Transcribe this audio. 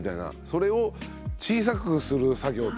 それを小さくする作業というかね。